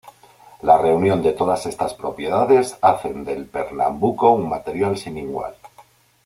La reunión de todas estas propiedades hacen del Pernambuco un material sin igual.